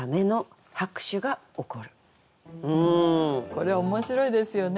これ面白いですよね。